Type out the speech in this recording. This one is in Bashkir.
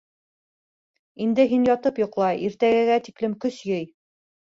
— Инде һин ятып йоҡла, иртәгәгә тиклем көс йый.